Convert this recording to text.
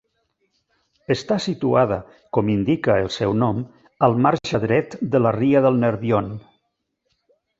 Està situada, com indica el seu nom, al marge dret de la ria del Nerbion.